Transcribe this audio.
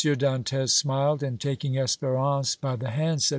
Dantès smiled and, taking Espérance by the hand, said: "M.